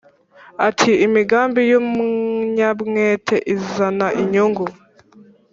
Ati “imigambi y’umunyamwete izana inyungu”